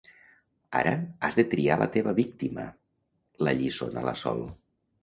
Ara has de triar la teva víctima —l'alliçona la Sol.